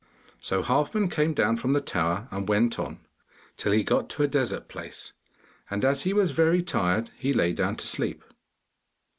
So Halfman came down from the tower, and went on, till he got to a desert place, and as he was very tired, he lay down to sleep.